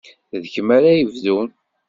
D kemm ara yebdun.